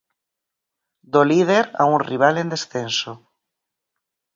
Do líder a un rival en descenso.